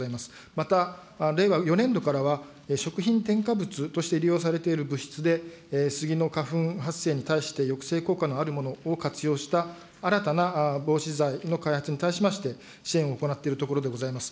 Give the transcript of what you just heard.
また令和４年度からは食品添加物として利用されている物質で、スギの花粉発生に対して抑制効果のあるものを活用した、新たな防止剤の開発に対しまして、支援を行っているところでございます。